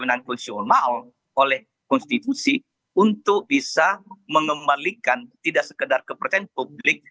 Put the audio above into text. dengan fungsional oleh konstitusi untuk bisa mengembalikan tidak sekedar kepercayaan publik